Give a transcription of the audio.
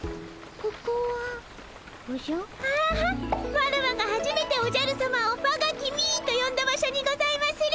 ワラワがはじめておじゃるさまを「わが君」とよんだ場所にございまする！